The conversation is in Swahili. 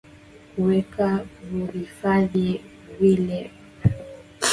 kuweza kuvihifadhi vile vyanzo vya maji